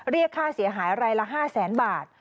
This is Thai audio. เรียกค่าเสียหายอะไรละ๕๐๐๐๐๐บาท